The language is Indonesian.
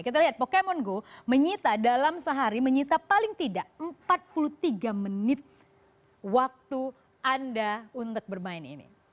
kita lihat pokemon go menyita dalam sehari menyita paling tidak empat puluh tiga menit waktu anda untuk bermain ini